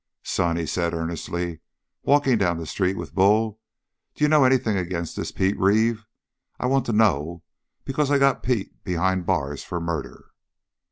"Son," he said earnestly, walking down the street with Bull, "d'you know anything agin' this Pete Reeve? I want to know because I got Pete behind the bars for murder!"